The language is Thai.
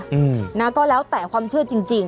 แล้วนะก็แล้วแต่ความเชื่อจริง